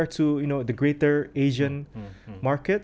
negara atau dibandingkan dengan asia barat